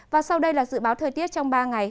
và sau đây là dự báo thời tiết trong ba ngày